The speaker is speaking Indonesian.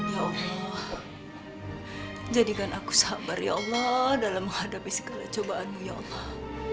ya allah jadikan aku sabar ya allah dalam menghadapi segala cobaanmu ya allah